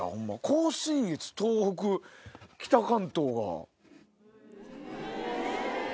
甲信越東北北関東が。